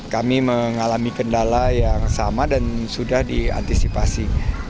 kami mengalami kendala yang sama dan sudah diantisipasi